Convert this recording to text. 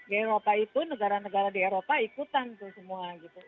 di eropa itu negara negara di eropa ikutan itu semua gitu